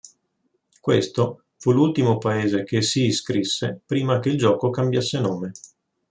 Questo, fu l'ultimo paese che "si iscrisse" prima che il gioco cambiasse nome.